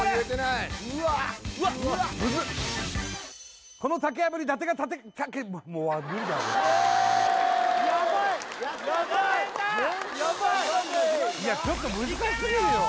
いやちょっと難しすぎるよいけるよ！